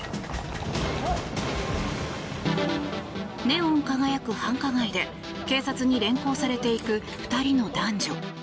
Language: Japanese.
ネオン輝く繁華街で警察に連行されていく２人の男女。